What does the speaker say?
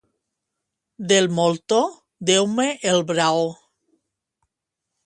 Del moltó, deu-me el braó.